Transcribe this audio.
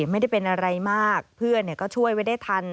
ไม่ได้เป็นอะไรมากเพื่อนก็ช่วยไว้ได้ทัน